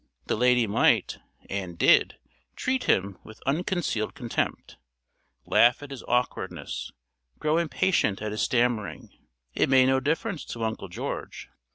The lady might, and did, treat him with unconcealed contempt, laugh at his awkwardness, grow impatient at his stammering it made no difference to Uncle George.